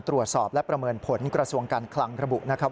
ตรวจสอบและประเมินผลกระทรวงการคลังระบุนะครับ